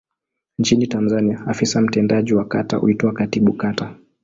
Nchini Tanzania afisa mtendaji wa kata huitwa Katibu Kata.